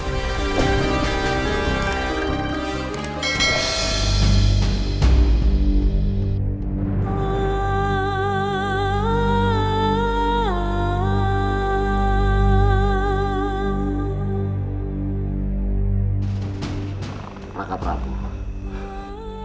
lori ini mothers bunga rhana yang berinvestng